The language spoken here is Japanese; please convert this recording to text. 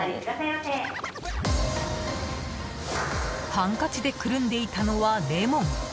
ハンカチでくるんでいたのはレモン。